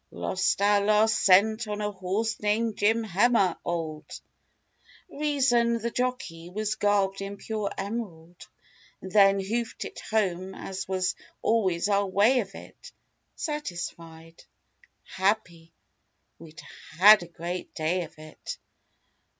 Lost our last cent on a horse named "Jim Hemer ald"— Reason—the jockey was garbed in pure emerald. Then hoofed it home as was always our way of it— Satisfied. Happy. We'd had a great day of it.